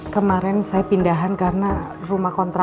kemarin saya pindahan karena rumah kontrak